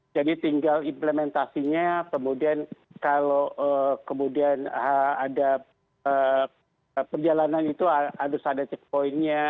jadi tinggal implementasinya kemudian kalau kemudian ada perjalanan itu harus ada checkpointnya